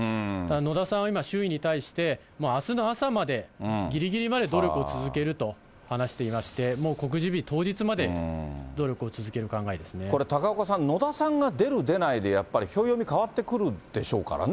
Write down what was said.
野田さんは今、周囲に対して、あすの朝まで、ぎりぎりまで努力を続けると話していまして、もう告示日当日まで、これ、高岡さん、野田さんが出る、出ないで、やっぱり、票読み変わってくるでしょうからね。